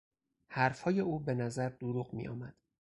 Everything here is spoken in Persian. حرفهای او به نظر دروغ میآمد.